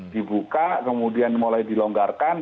dibuka kemudian mulai dilonggarkan